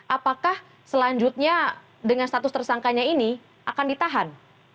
apakah selanjutnya dengan status tersangkanya ini akan ditahan